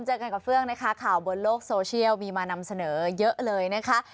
เจอกันกับเฟื่องนะคะข่าวบนโลกโซเชียลมีมานำเสนอเยอะเลยนะคะ